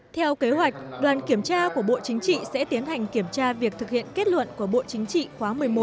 theo kế hoạch đoàn kiểm tra của bộ chính trị sẽ tiến hành kiểm tra việc thực hiện kết luận của bộ chính trị khóa một mươi một